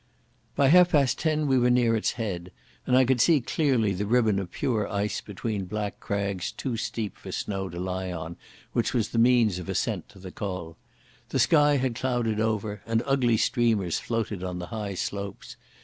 By half past ten we were near its head, and I could see clearly the ribbon of pure ice between black crags too steep for snow to lie on, which was the means of ascent to the Col. The sky had clouded over, and ugly streamers floated on the high slopes.